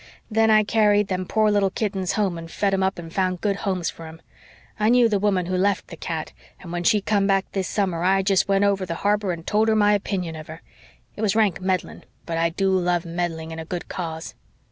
Then I carried them poor little kittens home and fed 'em up and found good homes for 'em. I knew the woman who left the cat and when she come back this summer I jest went over the harbor and told her my opinion of her. It was rank meddling, but I do love meddling in a good cause."